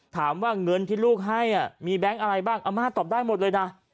ถามว่าเงินที่ลูกให้มีแบงค์อะไรบ้างอาม่าตอบได้หมดเลยนะ